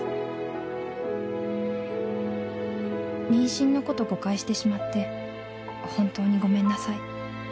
「妊娠のこと誤解してしまって本当にごめんなさい」